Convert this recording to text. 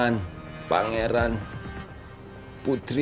sedangkan apa yang berarti akan beraksi